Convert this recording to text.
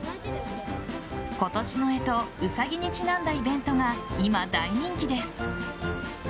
今年の干支ウサギにちなんだイベントが今、大人気です。